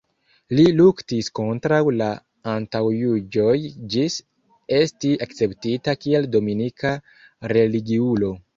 Li luktis kontraŭ la antaŭjuĝoj ĝis esti akceptita kiel dominika religiulo.